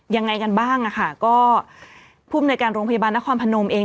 ยังไงกันบ้างนะคะก็ภูมิในการโรงพยาบาลนครพนมเอง